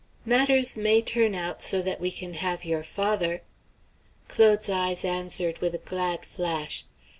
"Matters may turn out so that we can have your father" Claude's eyes answered with a glad flash.